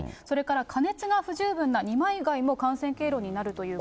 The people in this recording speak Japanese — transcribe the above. それから加熱が不十分な二枚貝も感染経路になると。